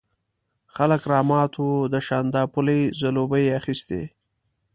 خلک رامات وو، د شانداپولي ځلوبۍ یې اخيستې.